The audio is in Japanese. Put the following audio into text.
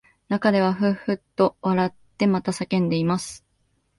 中ではふっふっと笑ってまた叫んでいます